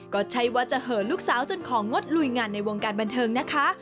ก็ใช่ว่าจะเหินลูกสาวจนของงดลุยงานในวงการบันเทิงนะคะ